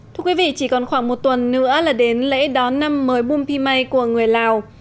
thưa quý vị chỉ còn khoảng một tuần nữa là đến lễ đón năm mới bum pimay của người lào